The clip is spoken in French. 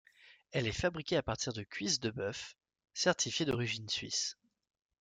Elle est fabriquée à partir de cuisses de bœuf, certifiées d'origine suisse.